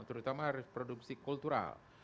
terutama reproduksi kultural